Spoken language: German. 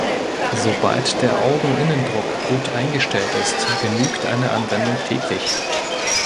Sobald der Augeninnendruck gut eingestellt ist, genügt eine Anwendung täglich.